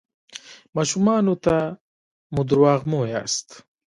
ماشومانو ته مو درواغ مه وایاست.